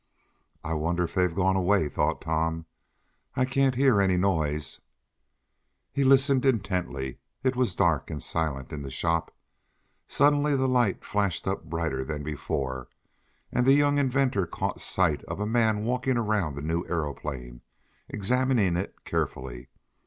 "I wonder if they've gone away?" thought Tom. "I can't hear any noise." He listened intently. It was dark and silent in the shop. Suddenly the light flashed up brighter than before, and the young inventor caught sight of a man walking around the new aeroplane, examining it carefully.